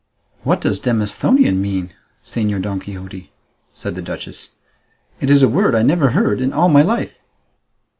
"What does Demosthenian mean, Señor Don Quixote?" said the duchess; "it is a word I never heard in all my life."